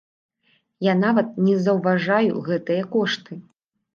Я нават не заўважаю гэтыя кошты.